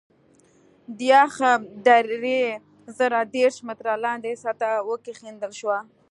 د یخ درې زره دېرش متره لاندې سطحه وکیندل شوه